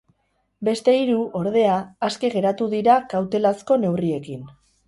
Beste hiru, ordea, aske geratu dira, kautelazko neurriekin.